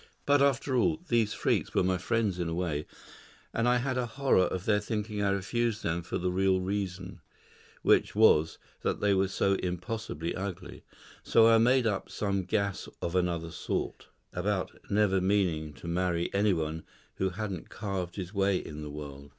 But, after all, these freaks were my friends in a way; and I had a horror of their thinking I refused them for the real reason, which was that they were so impossibly ugly. So I made up some gas of another sort, about never meaning to marry anyone who hadn't carved his way in the world.